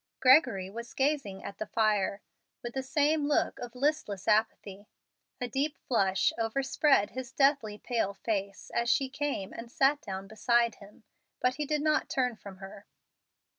Gregory was gazing at the fire with the same look of listless apathy. A deep flush overspread his deathly pale face as she came and sat down beside him, but he did not turn from her.